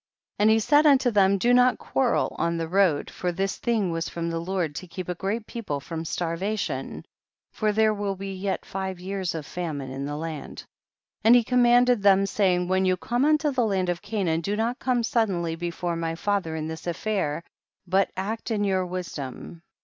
88. And he said unto them, do not quarrel on the road, for this thing was from the Lord to keep a great people from starvation, for there will be yet five years of famine in the land. 89. And he commanded them, saying, when you come unto the land of Canaan, do not come suddenly be fore my father in this affair, but act in your wisdom.